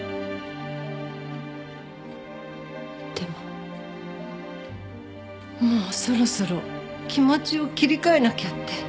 でももうそろそろ気持ちを切り替えなきゃって。